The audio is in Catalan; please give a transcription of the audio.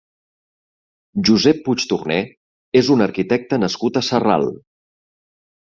Josep Puig Torné és un arquitecte nascut a Sarral.